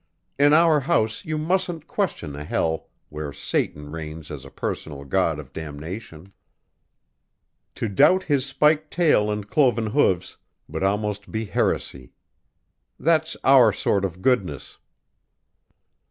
In our house you mustn't question a hell where Satan reigns as a personal god of Damnation. To doubt his spiked tail and cloven hoofs, would almost be heresy. That's our sort of goodness."